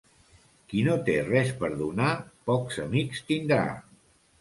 Qui no té res per donar, pocs amics tindrà.